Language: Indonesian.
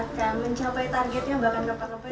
akan mencapai targetnya bahkan ke empat ke lima